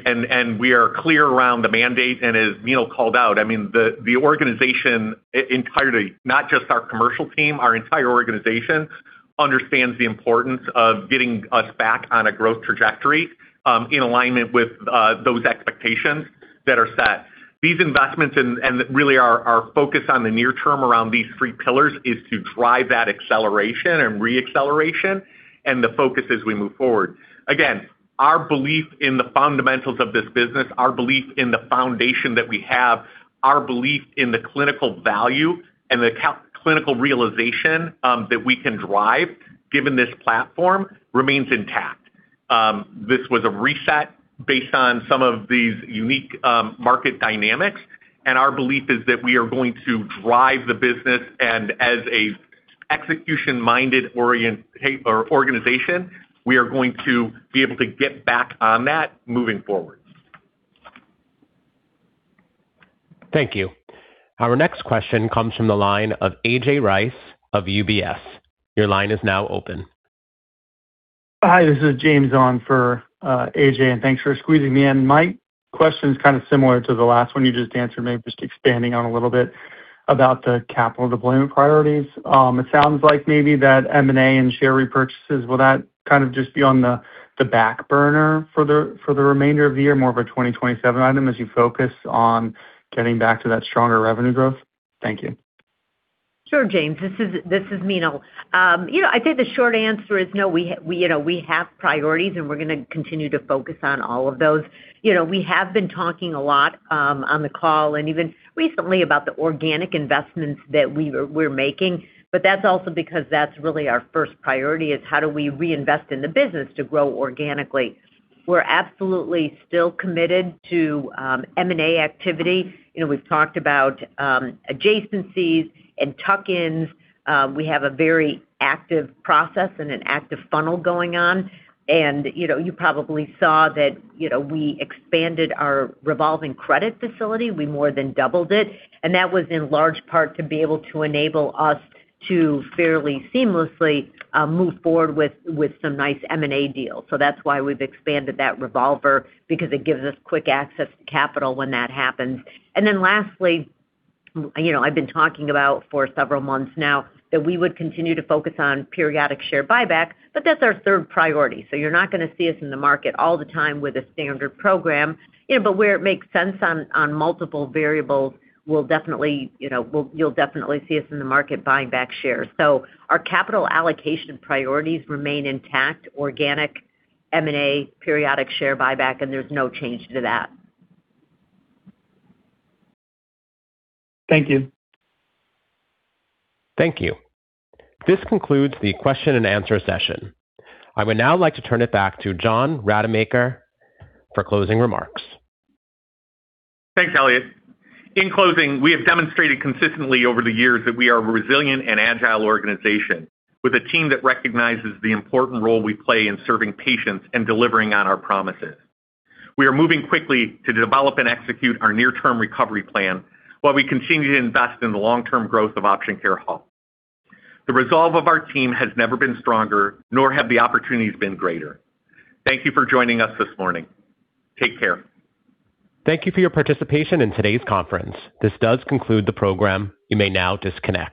Speaker 3: We are clear around the mandate, and as Meenal called out, I mean, the organization entirety, not just our commercial team, our entire organization understands the importance of getting us back on a growth trajectory in alignment with those expectations that are set. These investments and really our focus on the near term around these three pillars is to drive that acceleration and reacceleration and the focus as we move forward. Again, our belief in the fundamentals of this business, our belief in the foundation that we have, our belief in the clinical value and the clinical realization that we can drive given this platform remains intact. This was a reset based on some of these unique market dynamics, and our belief is that we are going to drive the business. As a execution-minded organization, we are going to be able to get back on that moving forward.
Speaker 1: Thank you. Our next question comes from the line of AJ Rice of UBS. Your line is now open.
Speaker 16: Hi, this is James on for, AJ, and thanks for squeezing me in. My question is kind of similar to the last one you just answered, maybe just expanding on a little bit about the capital deployment priorities. It sounds like maybe that M&A and share repurchases, will that kind of just be on the back burner for the, for the remainder of the year, more of a 2027 item as you focus on getting back to that stronger revenue growth? Thank you.
Speaker 4: Sure, James. This is Meenal. You know, I think the short answer is no. You know, we have priorities, and we're gonna continue to focus on all of those. You know, we have been talking a lot on the call and even recently about the organic investments that we're making, but that's also because that's really our first priority is how do we reinvest in the business to grow organically. We're absolutely still committed to M&A activity. You know, we've talked about adjacencies and tuck-ins. We have a very active process and an active funnel going on. You know, you probably saw that, you know, we expanded our revolving credit facility. We more than doubled it. That was in large part to be able to enable us to fairly seamlessly move forward with some nice M&A deals. That's why we've expanded that revolver because it gives us quick access to capital when that happens. Lastly, you know, I've been talking about for several months now that we would continue to focus on periodic share buyback, but that's our third priority. You're not gonna see us in the market all the time with a standard program, you know, but where it makes sense on multiple variables, you'll definitely see us in the market buying back shares. Our capital allocation priorities remain intact, organic M&A, periodic share buyback, and there's no change to that.
Speaker 16: Thank you.
Speaker 1: Thank you. This concludes the question and answer session. I would now like to turn it back to John Rademacher for closing remarks.
Speaker 3: Thanks, Elliot. In closing, we have demonstrated consistently over the years that we are a resilient and agile organization with a team that recognizes the important role we play in serving patients and delivering on our promises. We are moving quickly to develop and execute our near-term recovery plan while we continue to invest in the long-term growth of Option Care Health. The resolve of our team has never been stronger, nor have the opportunities been greater. Thank you for joining us this morning. Take care.
Speaker 1: Thank you for your participation in today's conference. This does conclude the program. You may now disconnect.